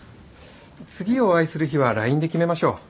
次お会いする日はＬＩＮＥで決めましょう。